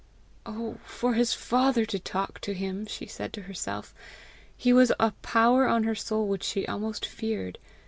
"Oh for his father to talk to him!" she said to herself. He was a power on her soul which she almost feared.